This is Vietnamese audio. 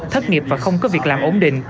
thất nghiệp và không có việc làm ổn định